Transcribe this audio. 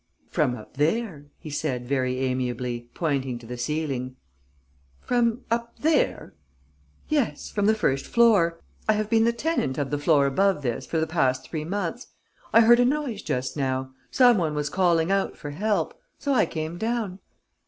"From up there," he said, very amiably, pointing to the ceiling. "From up there?" "Yes, from the first floor. I have been the tenant of the floor above this for the past three months. I heard a noise just now. Some one was calling out for help. So I came down."